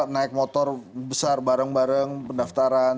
naik motor besar bareng bareng pendaftaran